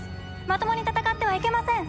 まともに戦ってはいけません！